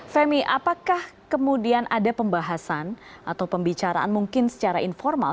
femi apakah kemudian ada pembahasan atau pembicaraan mungkin secara informal